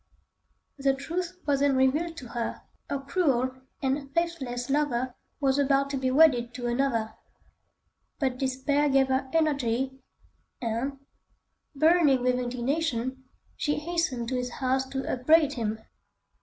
The truth was then revealed to her: her cruel and faithless lover was about to be wedded to another. But despair gave her energy, and, burning with indignation, she hastened to his house to upbraid him.